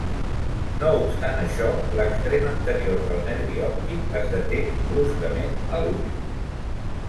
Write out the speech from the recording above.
No obstant això, l'extrem anterior del nervi òptic es deté bruscament a l'ull.